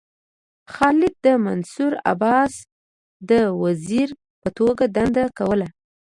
خالد د منصور عباسي د وزیر په توګه دنده کوله.